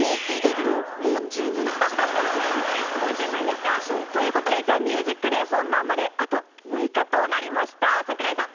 もう十分でした？ということで『ＴＨＥＭＵＳＩＣＤＡＹ』本番まであと６日となりました櫻井さん